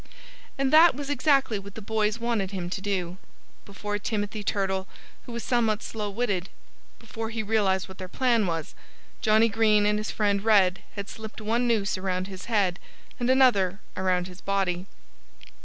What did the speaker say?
And that was exactly what the boys wanted him to do. Before Timothy Turtle who was somewhat slow witted before he realized what their plan was, Johnnie Green and his friend Red had slipped one noose around his head and another around his body.